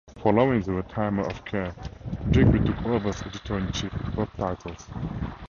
Following the retirement of Kerr, Digby took over as Editor-in-Chief of both titles.